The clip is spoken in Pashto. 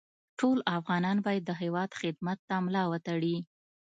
ټول افغانان باید د هېواد خدمت ته ملا وتړي